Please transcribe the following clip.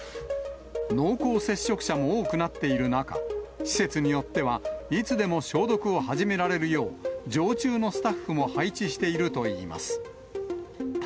濃厚接触者も多くなっている中、施設によっては、いつでも消毒を始められるよう、常駐のスタッフも配置しているといいます。